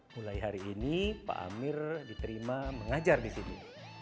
mulai hari ini pak amir diterima mengajar disini